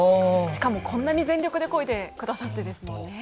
しかもこんなに全力でこいでくださってですよね。